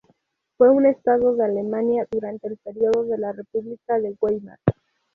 Fue un estado de Alemania durante el periodo de la República de Weimar.